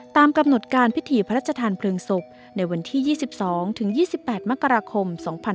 ตามกำหนดการพิธีพระราชทานเพลิงศพในวันที่๒๒ถึง๒๒๘มกราคม๒๕๖๒